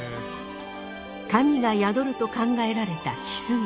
神が宿ると考えられた翡翠。